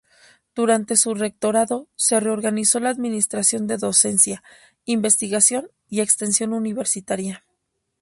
Durante su rectorado se reorganizó la administración de docencia, investigación y extensión universitaria.